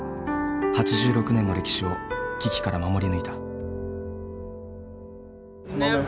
８６年の歴史を危機から守り抜いた。